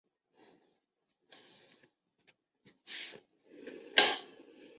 机场线全列车进入本站时会广播剪票口与航空公司的起降航厦。